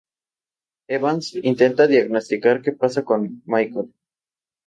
Evans, intentan diagnosticar que pasa con Michael.